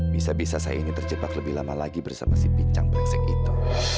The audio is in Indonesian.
bisa bisa saya ini terjebak lebih lama lagi bersama si bincang brengsek itu